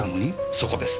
そこです。